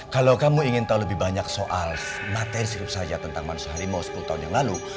kalau kamu ingin tahu lebih banyak soal materi saja tentang manusia harimau sepuluh tahun yang lalu